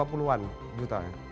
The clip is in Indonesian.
sekitar dua puluh an juta